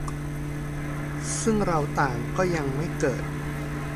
ซึ่งเราต่างก็ยังไม่เกิด